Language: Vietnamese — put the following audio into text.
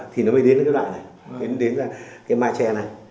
thì nó mới đến cái loại này đến cái ma chè này